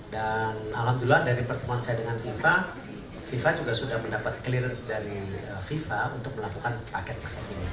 dan alhamdulillah dari pertemuan saya dengan visa visa juga sudah mendapat clearance dari visa untuk melakukan paket paket ini